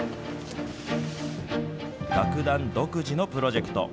楽団独自のプロジェクト。